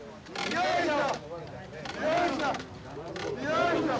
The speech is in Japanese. よいしょ！